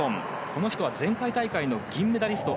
この人は前回大会の銀メダリスト。